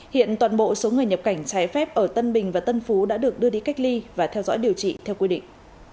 hiện toàn bộ số người nhập cảnh trái phép ở tân bình và tân phú đã được đưa đi cách ly và theo dõi điều trị theo quy định